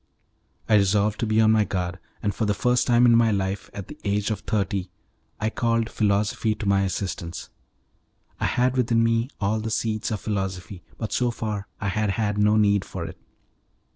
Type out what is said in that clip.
I resolved to be on my guard; and for the first time in my life, at the age of thirty, I called philosophy to my assistance. I had within me all the seeds of philosophy, but so far I had had no need for it.